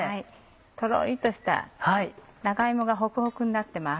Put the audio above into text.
とろりとした長芋がホクホクになってます。